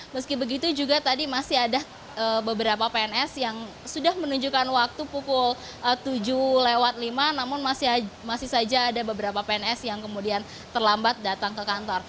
meski begitu juga tadi masih ada beberapa pns yang sudah menunjukkan waktu pukul tujuh lewat lima namun masih saja ada beberapa pns yang kemudian terlambat datang ke kantor